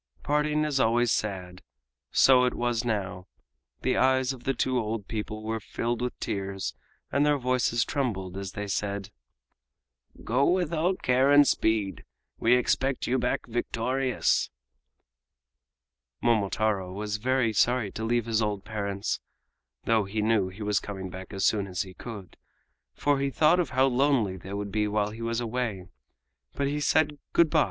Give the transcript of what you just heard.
Parting is always sad. So it was now. The eyes of the two old people were filled with tears and their voices trembled as they said: "Go with all care and speed. We expect you back victorious!" Momotaro was very sorry to leave his old parents (though he knew he was coming back as soon as he could), for he thought of how lonely they would be while he was away. But he said "Good by!"